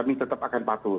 kami tetap akan patuh